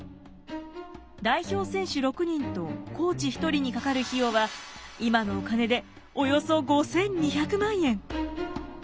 代表選手６人とコーチ１人にかかる費用は今のお金でおよそ５，２００万円。